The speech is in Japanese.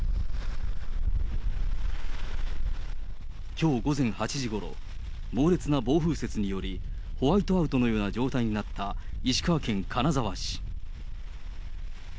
きょう午前８時ごろ、猛烈な暴風雪により、ホワイトアウトのような状態になった石川県金沢市。